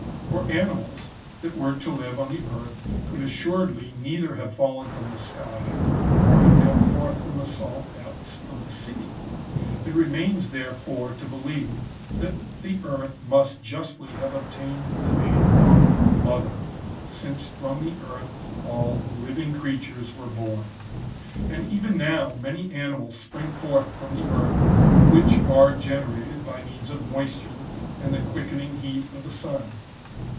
For animals, that were to live on the earth, could assuredly neither have fallen from the sky,* nor have come forth from the salt depths of the sea. It remains, there fore, to believe that the earth must justly have obtained the name of mother, since from the earth all living creatures were born. And even now many animals spring forth from the earth, which are generated by means of moisture and the quickening heat of the sun.